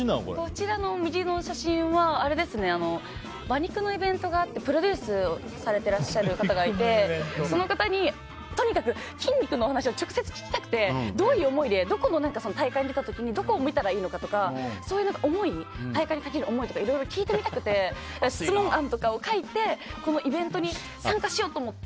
こちらの右の写真は馬肉のイベントがあってプロデュースされてる方がいてその方に、とにかく筋肉の話を直接聞きたくてどういう思いでどこの大会に出た時にどこを見たらいいのかとか大会にかける思いとかいろいろ聞いてみたくて質問案とかを書いてこのイベントに参加しようと思って。